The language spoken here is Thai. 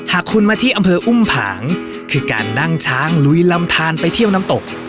หากคุณมาที่อำเภออุ้มผางคือการนั่งช้างลุยลำทานไปเที่ยวน้ำตก